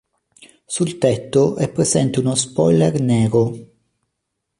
Sul tetto è presente uno spoiler nero.